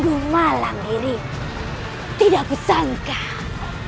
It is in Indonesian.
bersiaplah kian santan